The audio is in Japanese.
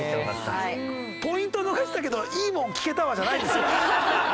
ポイント逃したけどいいもん聴けたわじゃないんですよ。